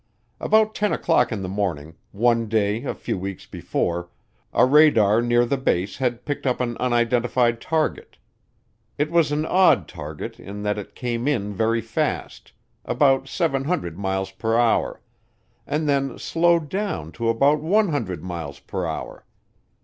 About ten o'clock in the morning, one day a few weeks before, a radar near the base had picked up an unidentified target. It was an odd target in that it came in very fast about 700 miles per hour and then slowed down to about 100 miles per hour.